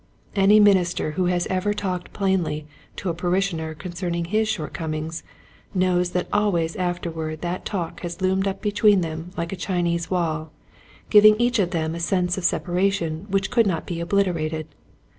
Any minister who has ever talked plainly to a parishioner concerning his short comings knows that always afterward that talk has loomed up between them like a Chinese wall, giving each of them a sense of separation which could not be obliterated.